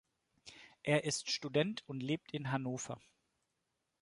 Er ist Student und lebt in Hannover.